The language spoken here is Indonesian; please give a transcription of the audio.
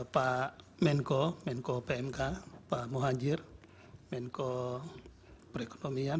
pak menko menko pmk pak muhajir menko perekonomian